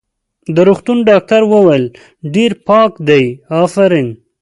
د روغتون ډاکټر وویل: ډېر پاک دی، افرین.